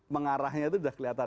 mengarahnya itu sudah kelihatan